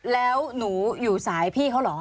แล้วหนูอยู่สายพี่เขาเหรอ